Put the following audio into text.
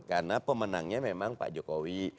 karena pemenangnya memang pak jokowi